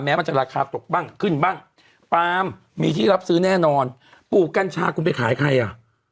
มันจะราคาตกบ้างขึ้นบ้างปาล์มมีที่รับซื้อแน่นอนปลูกกัญชาคุณไปขายใครอ่ะ